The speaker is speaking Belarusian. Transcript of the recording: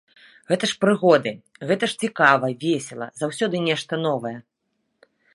Гэта ж прыгоды, гэта ж цікава, весела, заўсёды нешта новае.